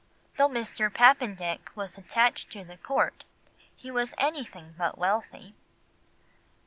Though Mr. Papendick was attached to the Court, he was anything but wealthy.